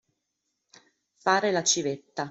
Fare la civetta.